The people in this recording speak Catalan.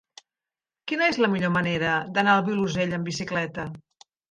Quina és la millor manera d'anar al Vilosell amb bicicleta?